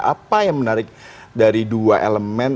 apa yang menarik dari dua elemen